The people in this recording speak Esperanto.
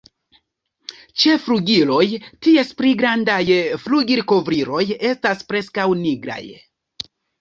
Ĉe flugiloj, ties pli grandaj flugilkovriloj estas preskaŭ nigraj.